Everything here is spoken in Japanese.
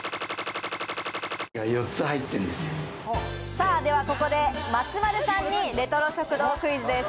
さぁではここで松丸さんにレトロ食堂クイズです。